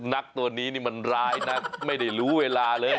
นักตัวนี้นี่มันร้ายนะไม่ได้รู้เวลาเลย